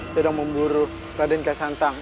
sedang memburu raden kaisantang